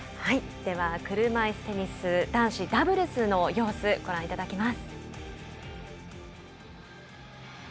では車いすテニス男子ダブルスの様子ご覧いただきます。